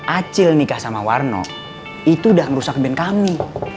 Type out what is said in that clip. acil nikah sama warno itu udah merusak band kami